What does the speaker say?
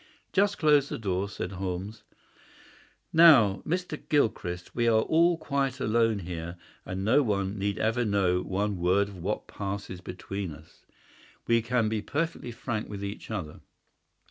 "Just close the door," said Holmes. "Now, Mr. Gilchrist, we are all quite alone here, and no one need ever know one word of what passes between us. We can be perfectly frank with each other.